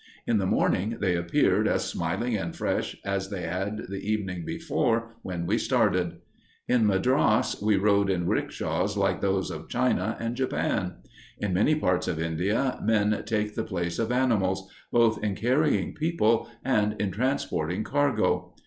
In the morning, they appeared as smiling and fresh as they had the evening before when we started. In Madras, we rode in rickshaws like those of China and Japan. In many parts of India, men take the place of animals, both in carrying people and in transporting cargo.